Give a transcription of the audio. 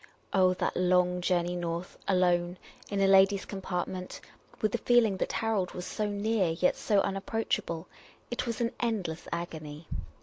Oh, that long journey north, alone, in a ladies' compart ment — with the feeling that Harold was so near, yet so unapproachable ; it was an endless agony.